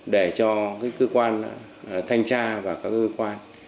để cho cơ quan thanh tra và các cơ quan